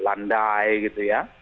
landai gitu ya